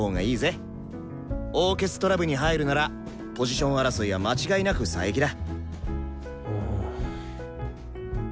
オーケストラ部に入るならポジション争いは間違いなく佐伯だ。